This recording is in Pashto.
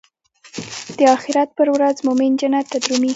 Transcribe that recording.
د اخرت پر ورځ مومن جنت ته درومي.